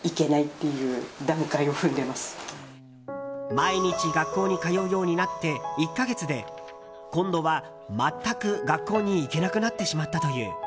毎日学校に通うようになって１か月で今度は全く学校に行けなくなってしまったという。